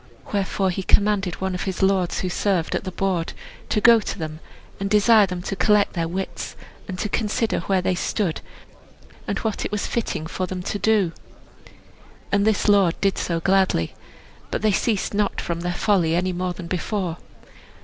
Wherefore he commanded one of his lords, who served at the board, to go to them and desire them to collect their wits, and to consider where they stood, and what it was fitting for them to do. And this lord did so gladly. But they ceased not from their folly any more than before.